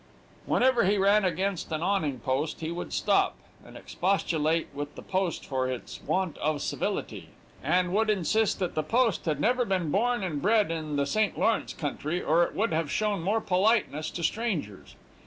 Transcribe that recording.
Whenever he ran against an awning post, he would stop, and expostulate with the post for its want of civility, and would insist that the post had never been born and bred in the St. Lawrence country, or it would have shown more politeness to strangers.